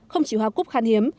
không chỉ hoa cúc khán hiếm